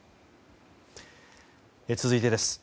続いてです。